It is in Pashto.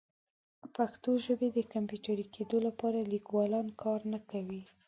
د پښتو ژبې د کمپیوټري کیدو لپاره لیکوالان کار نه کوي.